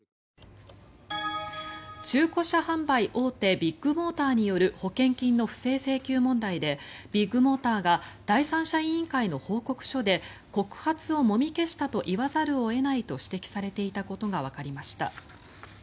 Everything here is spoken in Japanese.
中古車販売大手ビッグモーターによる保険金の不正請求問題でビッグモーターが第三者委員会の報告書で告発をもみ消したと言わざるを得ないと指摘されていたことがわかりました。